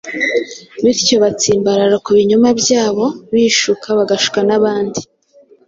bityo batsimbarara ku binyoma byabo, bishuka bagashuka n’abandi.